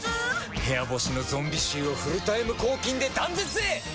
部屋干しのゾンビ臭をフルタイム抗菌で断絶へ！